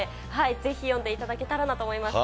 ぜひ読んでいただけたらと思います。